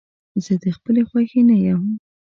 زه د خپلې خوښې نه يم.